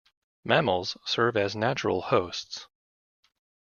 Mammals serve as natural hosts.